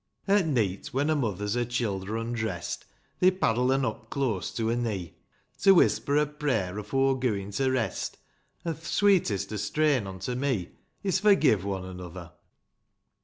V. At neet, when a mother's her childer undrest, They paddle'n up close to her knee, To whisper a prayer afore gooin' to rest ; An', th' sweetest o'th strain, unto me, Is, — forgive one another